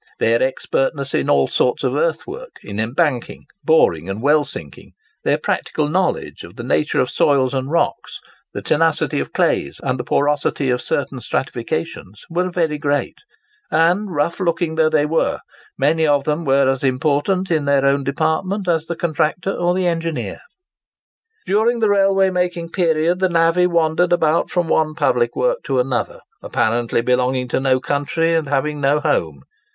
Their expertness in all sorts of earthwork, in embanking, boring, and well sinking—their practical knowledge of the nature of soils and rocks, the tenacity of clays, and the porosity of certain stratifications—were very great; and, rough looking though they were, many of them were as important in their own department as the contractor or the engineer. During the railway making period the navvy wandered about from one public work to another—apparently belonging to no country and having no home.